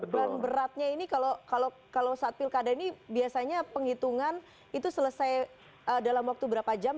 beban beratnya ini kalau saat pilkada ini biasanya penghitungan itu selesai dalam waktu berapa jam